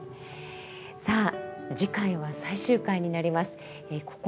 さあ次回は最終回になります。